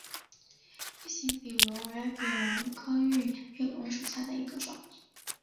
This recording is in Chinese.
芋形笔螺为笔螺科芋笔螺属下的一个种。